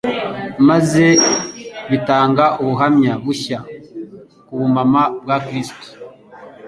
maze bitanga ubuhamya bushya ku bumana bwa Kristo.